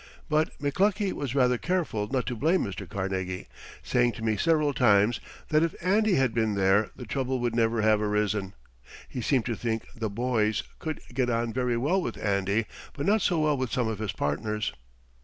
But McLuckie was rather careful not to blame Mr. Carnegie, saying to me several times that if "Andy" had been there the trouble would never have arisen. He seemed to think "the boys" could get on very well with "Andy" but not so well with some of his partners.